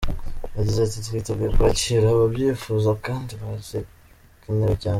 Yagize ati "Twiteguye kwakira ababyifuza kandi barakenewe cyane.